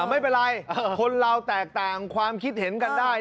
ไม่เป็นไรคนเราแตกต่างความคิดเห็นกันได้